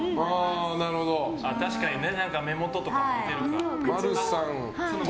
確かに目元とか似てるか。